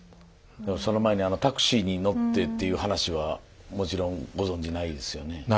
その前にあのタクシーに乗ってっていう話はもちろんご存じないですよね？